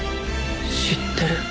知ってる